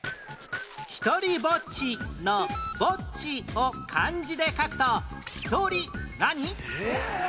ひとりぼっちの「ぼっち」を漢字で書くと独り何？